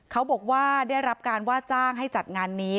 เขาบอกว่าได้รับการว่าจ้างให้จัดงานนี้